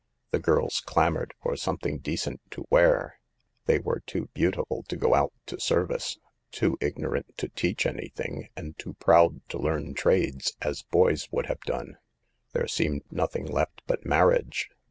The girls clamored for 'something decent to wear.' They were too beautiful to go out to service, too ignorant to teach anything, and too proud to learn trades, as boys would have done. There seemed nothing left but marriage.